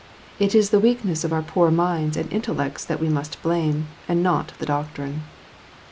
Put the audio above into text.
It is the weakness of our poor minds and intellects that we must blame, and not the doctrine.